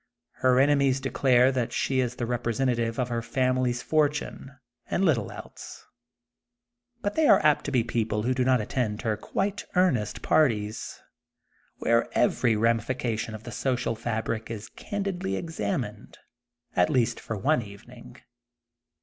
Her enemies de clare that she is the representative of her family fortune, and little else. But they are apt to be people who do not attend her quite earnest parties, where every ramification of the social fabric is candidly examined, at least for one evening.